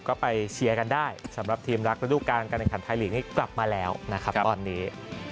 ก็ไปเชียร์กันได้สำหรับทีมรักระดูการการแข่งขันไทยลีกนี้กลับมาแล้วนะครับตอนนี้